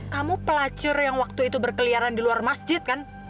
kamu pelacur yang waktu itu berkeliaran di luar masjid kan